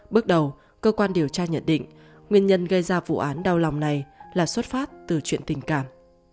bước đầu cơ quan điều tra nhận định nguyên nhân gây ra vụ án đau lòng này là xuất phát từ chuyện tình cảm